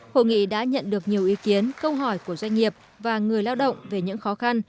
hội nghị đã nhận được nhiều ý kiến câu hỏi của doanh nghiệp và người lao động về những khó khăn